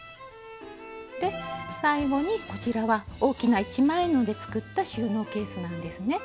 最後にこちらは大きな一枚布で作った収納ケースなんですね。